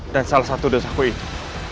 dan salah satu dosaku itu